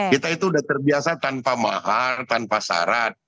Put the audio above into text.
kita itu sudah terbiasa tanpa mahar tanpa syarat